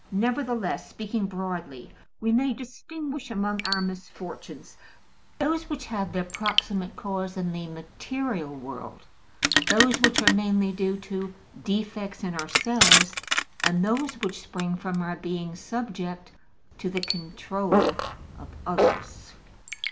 Nevertheless, speaking broadly, we may distinguish among our misfortunes those which have their proximate cause in the material world, those which are mainly due to defects in ourselves, and those which spring from our being subject to the control of others.